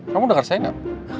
kamu denger saya gak